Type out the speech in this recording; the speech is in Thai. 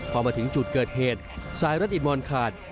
พอมาถึงจุดเกิดเหตุสายรัติมอนขาด